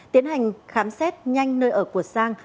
tiến hành khám xét nhanh nơi ở của sang